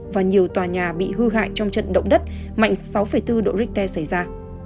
và nhiều tòa nhà bị hư hại trong trận động đất mạnh sáu bốn độ richter xảy ra